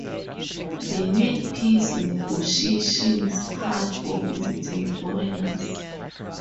They made peace negotiations hard for visiting foreigners.